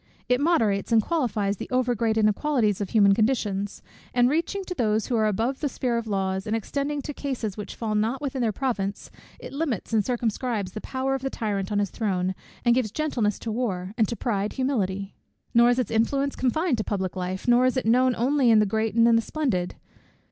It moderates and qualifies the over great inequalities of human conditions; and reaching to those who are above the sphere of laws, and extending to cases which fall not within their province, it limits and circumscribes the power of the tyrant on his throne, and gives gentleness to war, and to pride, humility. "Nor is its influence confined to public life, nor is it known only in the great and the splendid.